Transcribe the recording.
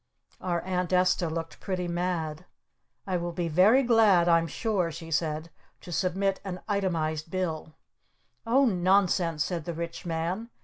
Our Aunt Esta looked pretty mad. "I will be very glad I'm sure," she said, "to submit an itemized bill." "Oh, nonsense!" said the Rich Man.